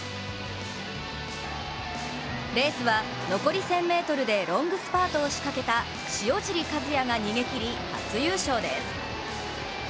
レースは残り１０００ｍでロングスパートを仕掛けた塩尻和也が逃げきり、初優勝です。